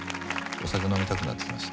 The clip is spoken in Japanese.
お酒飲みたくなってきました。